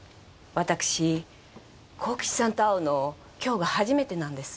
私幸吉さんと会うの今日が初めてなんです。